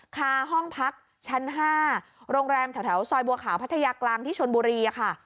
คาห้องพักชั้น๕โรงแรมแถวซอยบัวขาวพัทยากลางที่ชนบุรีค่ะ